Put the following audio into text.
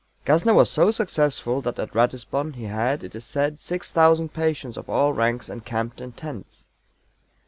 GASSNER was so successful that at Ratisbon he had, it is said, 6,000 patients of all ranks encamped in tents.